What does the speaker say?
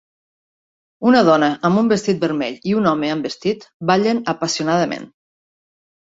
Una dona amb un vestit vermell i un home amb vestit ballen apassionadament.